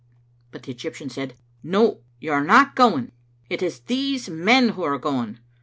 But the Egyptian said, " No, you are not going. It is these men who are going.